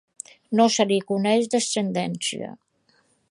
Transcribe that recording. No se li coneix descendència.